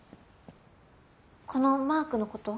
このマークのこと？